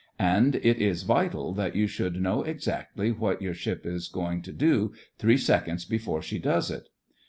And it is vital that you should know exactly what your ship is going to do three seconds before she does it.